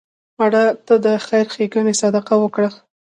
مړه ته د خیر ښیګڼې صدقه وکړه